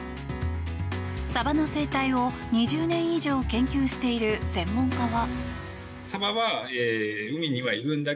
サバの生態を２０年以上研究している専門家は。